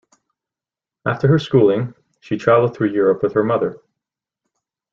After her schooling, she travelled through Europe with her mother.